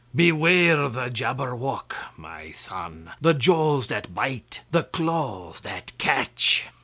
"Beware the Jabberwock, my son! The jaws that bite, the claws that catch!